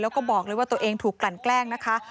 แล้วก็บอกเลยว่าตัวเองถูกกลั่นแกล้งนะคะ